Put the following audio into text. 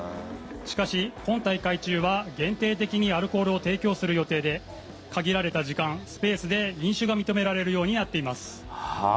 しかし、今大会中は限定的にアルコールを提供する予定で限られた時間、スペースで飲酒が認められるようになっています。